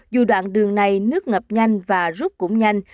dù đoạn đường này nước ngập nhanh và rút cũng nhanh